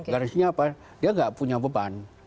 garisnya apa dia nggak punya beban